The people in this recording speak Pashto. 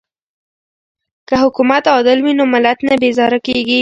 که حکومت عادل وي نو ملت نه بیزاره کیږي.